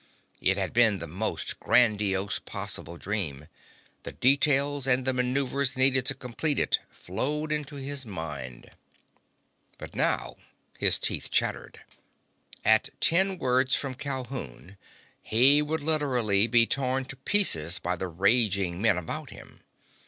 It had been the most grandiose possible dream. The details and the maneuvers needed to complete it flowed into his mind. But now his teeth chattered. At ten words from Calhoun he would literally be torn to pieces by the raging men about him.